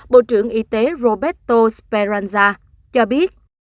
bộ trưởng y tế roberto speranza cho biết